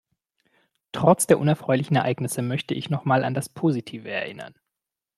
Trotz der unerfreulichen Ereignisse, möchte ich noch mal an das Positive erinnern.